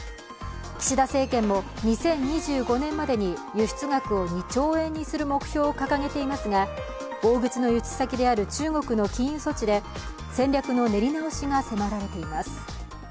岸田政権も２０２５年までに輸出額を２兆円にする目標を掲げていますが大口の輸出先である中国の禁輸措置で戦略の練り直しが迫られています。